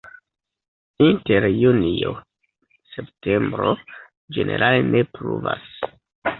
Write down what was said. Inter junio-septembro ĝenerale ne pluvas.